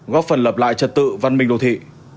góp phần lập lại trật tự văn minh đô thị